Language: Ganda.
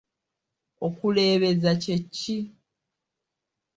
Okuleebeza kye ki?